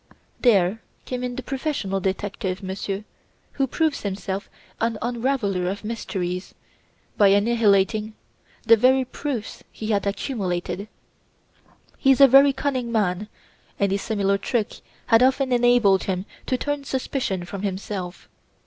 "There came in the professional detective, Monsieur, who proves himself an unraveller of mysteries, by annihilating the very proofs he had accumulated. He's a very cunning man, and a similar trick had often enabled him to turn suspicion from himself.